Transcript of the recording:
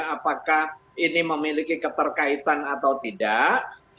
apakah ini memiliki keterkaitan atau tidak